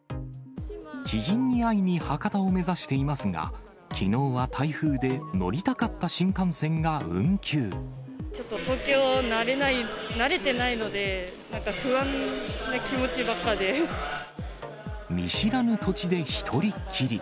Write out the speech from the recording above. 知人に会いに博多を目指していますが、きのうは台風で、ちょっと東京、慣れてないので、見知らぬ土地で一人っきり。